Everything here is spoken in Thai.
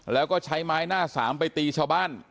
แล้วก็ใช้ไม้หน้าสามไปตีชาวบ้าน